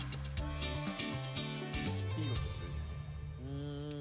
うん。